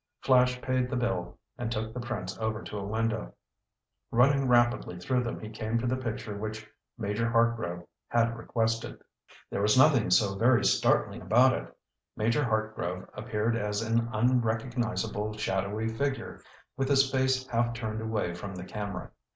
Flash paid the bill, and took the prints over to a window. Running rapidly through them he came to the picture which Major Hartgrove had requested. There was nothing so very startling about it. Major Hartgrove appeared as an unrecognizable, shadowy figure, with his face half turned away from the camera.